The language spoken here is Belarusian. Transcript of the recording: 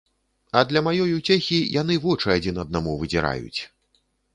А для маёй уцехі яны вочы адзін аднаму выдзіраюць.